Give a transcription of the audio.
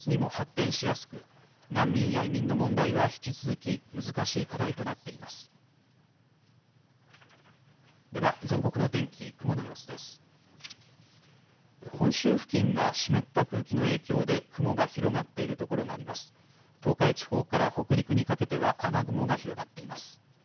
東海地方から北陸にかけては雨雲が広がっています。